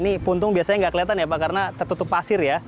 ini puntung biasanya nggak kelihatan ya pak karena tertutup pasir ya